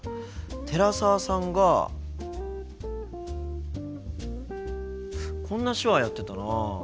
寺澤さんがこんな手話やってたな。